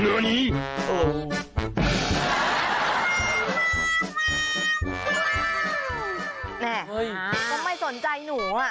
เนี่ยก็ไม่สนใจหนูอ่ะ